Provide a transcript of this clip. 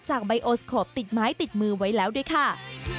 ใบโอสโคปติดไม้ติดมือไว้แล้วด้วยค่ะ